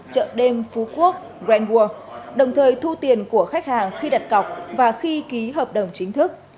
chợ đêm phú quốc grand world đồng thời thu tiền của khách hàng khi đặt cọc và khi ký hợp đồng chính thức